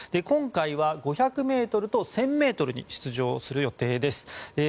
今回は５００ｍと１０００ｍに出場する予定です。